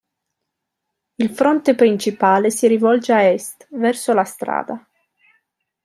Il fronte principale si rivolge a est, verso la strada.